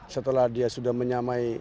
setelah dia sudah menyamai